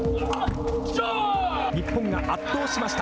日本が圧倒しました。